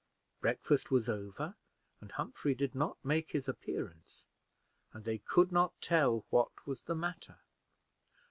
Breakfast was over, and Humphrey did not make his appearance, and they could not tell what was the matter.